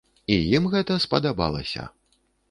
І ім гэта спадабалася!